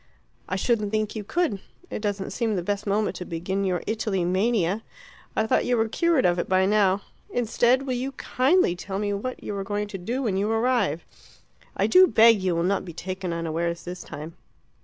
"I shouldn't think you could. It doesn't seem the best moment to begin your Italy mania. I thought you were cured of it by now. Instead, will you kindly tell me what you are going to do when you arrive. I do beg you will not be taken unawares this time."